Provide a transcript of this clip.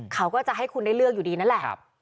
เขาก็จะให้คุณได้เลือกอยู่ดีนั่นแหละ